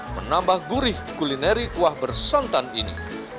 menambah gurih kulineri kuah bersantan ini